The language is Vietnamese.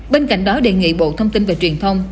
bên cạnh đó đề nghị bộ thông tin và truyền thông